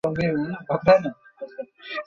সে তাদের অজ্ঞাতসারে দূর হতে তাকে দেখছিল।